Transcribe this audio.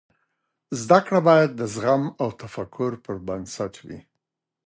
زده کړې باید د زغم او تفکر پر بنسټ وي.